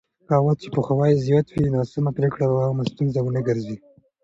هغه وخت چې پوهاوی زیات وي، ناسمه پرېکړه به عامه ستونزه ونه ګرځي.